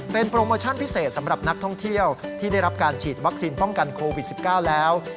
เป็นโปรโมชั่นพิเศษสำหรับนักท่องเที่ยวที่ได้รับการฉีดวัคซีนป้องกันโควิด๑๙แล้ว